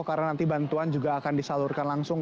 karena nanti bantuan juga akan disalurkan langsung